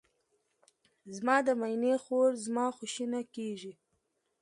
زما د ماینې خور زما خوښینه کیږي.